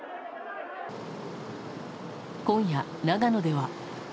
今夜、長野では。